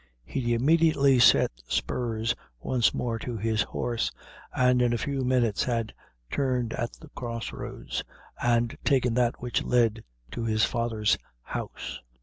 He immediately set spurs once more to his horse, and in a few minutes had turned at the cross roads, and taken that which led to his father's house.